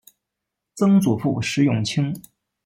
曾祖父石永清。